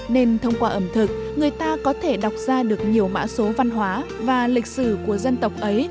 nên thông qua ẩm thực người ta có thể đọc ra được nhiều mã số văn hóa và lịch sử của dân tộc ấy